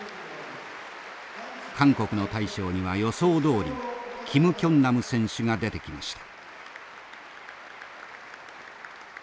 韓国の大将には予想どおりキム・キョンナム選手が出てきました。